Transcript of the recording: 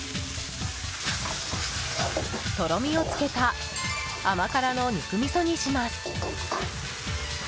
とろみをつけた甘辛の肉みそにします。